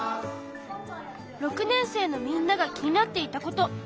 ６年生のみんなが気になっていたこと。